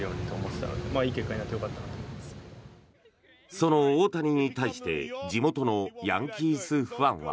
その大谷に対して地元のヤンキースファンは。